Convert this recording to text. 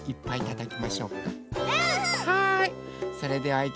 はい。